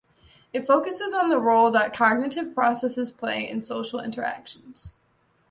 It focuses on the role that cognitive processes play in social interactions.